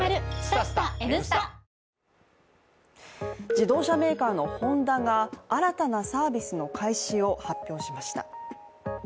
自動車メーカーのホンダが新たなサービスの開始を発表しました。